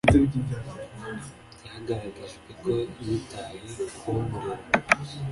byaragaragajwe ko yitaye kumurera